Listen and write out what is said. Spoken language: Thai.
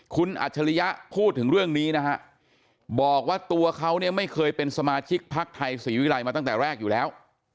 คุณอัจฉริยะพูดถึงเรื่องนี้นะฮะบอกว่าตัวเขาเนี่ยไม่เคยเป็นสมาชิกพักไทยศรีวิรัยมาตั้งแต่แรกอยู่แล้ว